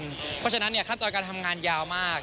เพราะฉะนั้นขั้นตอนการทำงานยาวมาก